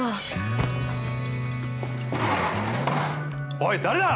◆おい、誰だ？